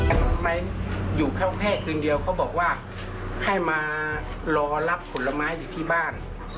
ทำไมอยู่แค่คืนเดียวเขาบอกว่าให้มารอรับผลไม้อยู่ที่บ้าน